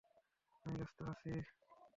আমি ব্যস্ত আছি।